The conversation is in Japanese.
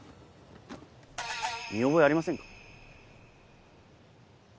見覚えありませんか？